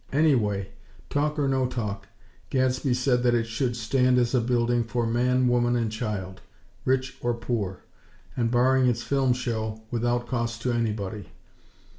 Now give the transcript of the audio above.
Anyway, talk or no talk, Gadsby said that it should stand as a building for man, woman and child; rich or poor; and, barring its "film show," without cost to anybody.